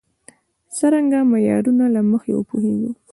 څرنګه معیارونو له مخې وپوهېږو.